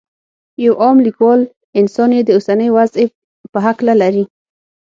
یو عام کلیوال انسان یې د اوسنۍ وضعې په هکله لري.